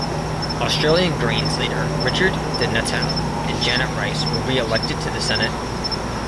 Australian Greens leader Richard di Natale and Janet Rice were re-elected to the Senate.